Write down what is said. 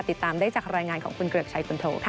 ติดตามได้จากรายงานของคุณเกริกชัยคุณโทค่ะ